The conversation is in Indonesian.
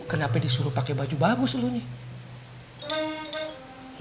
kenapa disuruh pake baju bagus lu nih